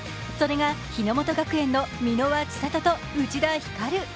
それが日ノ本学園の箕輪千慧と内田光。